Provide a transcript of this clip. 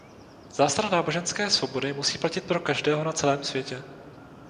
Zásada náboženské svobody musí platit pro každého na celém světě.